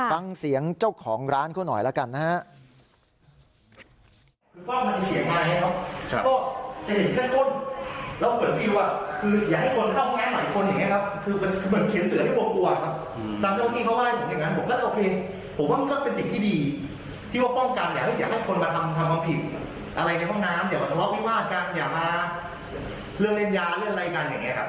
ฟังเสียงเจ้าของร้านเขาหน่อยแล้วกันนะฮะ